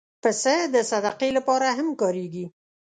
پسه د صدقې لپاره هم کارېږي.